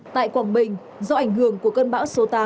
tại quảng bình do ảnh hưởng của cơn bão số tám